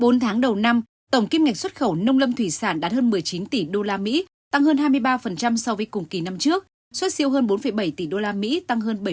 bốn tháng đầu năm tổng kim ngạch xuất khẩu nông lâm thủy sản đạt hơn một mươi chín tỷ usd tăng hơn hai mươi ba so với cùng kỳ năm trước xuất siêu hơn bốn bảy tỷ usd tăng hơn bảy